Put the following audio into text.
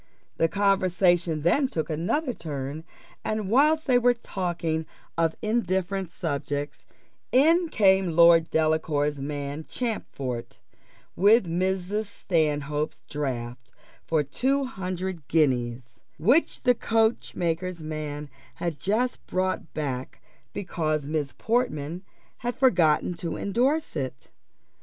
The conversation then took another turn, and whilst they were talking of indifferent subjects, in came Lord Delacour's man, Champfort, with Mrs. Stanhope's draft for two hundred guineas, which the coachmaker's man had just brought back because Miss Portman had forgotten to endorse it.